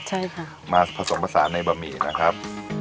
ใช่ค่ะมาผสมผสานในบะหมี่นะครับ